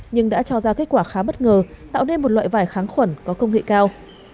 nhưng đã cho ra kết quả khá bất ngờ tạo nên một loại vải kháng khuẩn có công nghệ cao